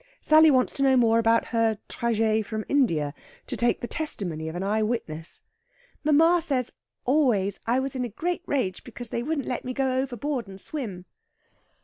Sally wants to know more about her trajet from India to take the testimony of an eyewitness. "Mamma says always I was in a great rage because they wouldn't let me go overboard and swim."